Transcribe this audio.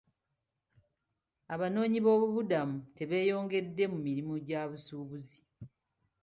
Abanoonyi b'obubuddamu tebeenyigidde mu mirimu gya busuubuzi.